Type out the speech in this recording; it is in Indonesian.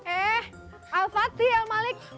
eh al fatih al malik